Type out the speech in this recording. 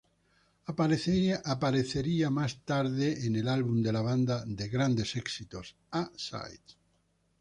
Aparecería más tarde en el álbum de la banda de Grandes Éxitos, "A-Sides".